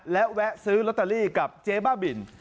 และแวะซื้อลอตเตอรี่กับเจ๊บ้าบิน